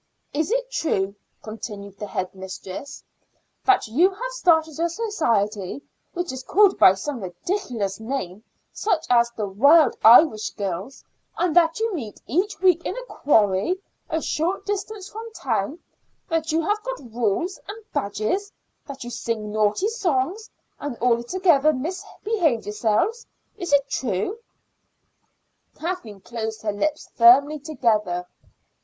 "Is it true," continued the head mistress, "that you have started a society which is called by some ridiculous name such as The Wild Irish Girls, and that you meet each week in a quarry a short distance from town; that you have got rules and badges; that you sing naughty songs, and altogether misbehave yourselves? Is it true?" Kathleen closed her lips firmly together.